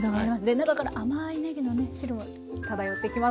中から甘いねぎのね汁も漂ってきます。